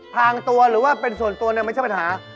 ทางตัวหรือว่าเป็นส่วนตัวเนี่ยไม่ใช่ปัญหา